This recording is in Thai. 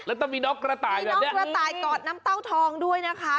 แล้วต้องมีน้องกระต่ายแบบนี้กระต่ายกอดน้ำเต้าทองด้วยนะคะ